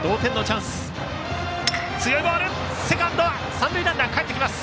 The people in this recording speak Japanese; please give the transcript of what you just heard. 三塁ランナー、かえります。